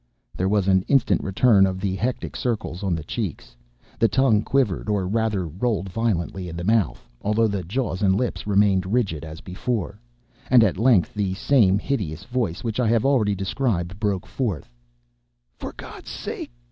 There was an instant return of the hectic circles on the cheeks; the tongue quivered, or rather rolled violently in the mouth (although the jaws and lips remained rigid as before), and at length the same hideous voice which I have already described, broke forth: "For God's sake!